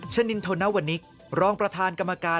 ชนินธนวนิกรองประธานกรรมการ